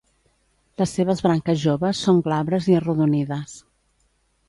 Les seves branques joves són glabres i arrodonides.